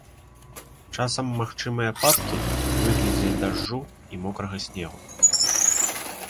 Часам магчымыя ападкі ў выглядзе дажджу і мокрага снегу.